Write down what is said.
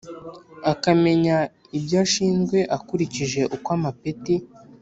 Akamenya Ibyo Ashinzwe Akurikije Uko Amapeti